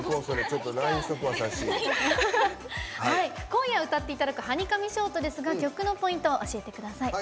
今夜、歌っていただく「はにかみショート」ですが曲のポイントを教えてください。